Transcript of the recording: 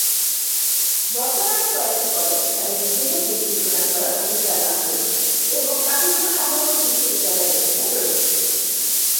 বর্তমানে কয়েকটি কলেজ তাদের নিজেদের ডিগ্রি প্রদান করার অধিকার লাভ করেছে এবং বাকিগুলো সংঘবদ্ধ বিশ্ববিদ্যালয়ের অধীনে রয়েছে।